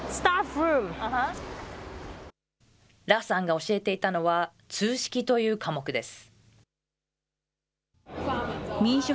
羅さんが教えていたのは、通識という科目です。